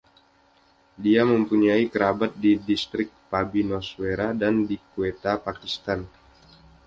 Dia mempunyai kerabat di Distrik Pabbi Nowshera, dan di Quetta, Pakistan.